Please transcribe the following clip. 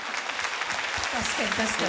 確かに確かに。